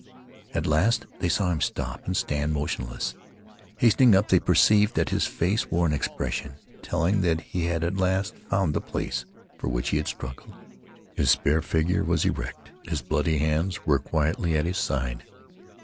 At last, they saw him stop and stand motionless. Hastening up, they perceived that his face wore an expression telling that he had at last found the place for which he had struggled. His spare figure was erect; his bloody hands were quietly at his side.